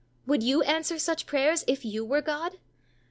Would you answer such prayers _if you were God?